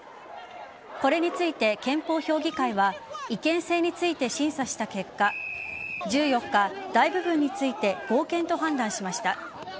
これについて、憲法評議会は違憲性について審査した結果１４日、大部分について合憲と判断しました。